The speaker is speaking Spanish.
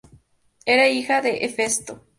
Era hija de Hefesto.